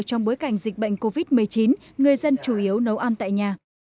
trong bối cảnh dịch bệnh covid một mươi chín người dân chủ yếu nấu ăn tại nhà